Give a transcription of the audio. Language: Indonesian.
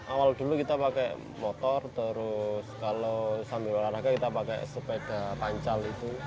awal dulu kita pakai motor terus kalau sambil olahraga kita pakai sepeda pancal itu